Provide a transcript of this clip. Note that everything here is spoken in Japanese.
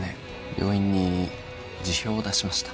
病院に辞表を出しました。